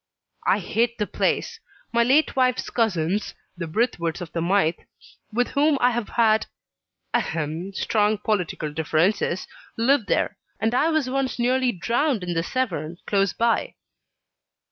"I hate the place. My late wife's cousins, the Brithwoods of the Mythe, with whom I have had ahem! strong political differences live there. And I was once nearly drowned in the Severn, close by."